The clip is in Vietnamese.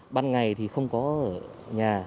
ban ngày thì không có ở nhà